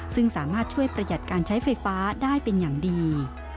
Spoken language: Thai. ซึ่งสามารถช่วยประหยัดการใช้ไฟฟ้าได้เป็นอย่างดี